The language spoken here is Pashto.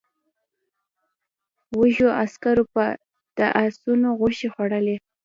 وږو عسکرو به د آسونو غوښې خوړلې.